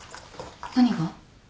何が？